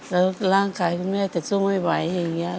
แล้วร่างกายคุณแม่จะสู้ไม่ไหว